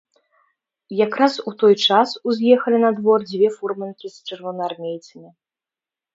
Якраз у той час уз'ехалі на двор дзве фурманкі з чырвонаармейцамі.